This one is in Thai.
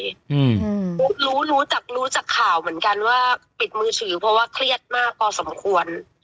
อืมรู้รู้จากรู้จากข่าวเหมือนกันว่าปิดมือถือเพราะว่าเครียดมากพอสมควร